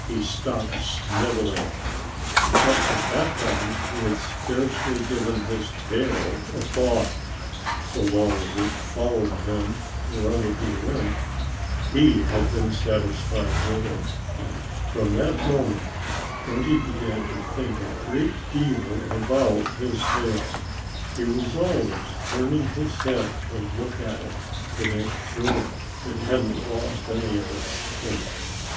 He stopped snivelling. Up to that time he had scarcely given his tail a thought. So long as it followed him wherever he went he had been satisfied with it. [Illustration: Grunty Pig Stuck Fast in the Fence. (Page 86)] From that moment Grunty began to think a great deal about his tail. He was always turning his head to look at it, to make sure it hadn't lost any of its kink.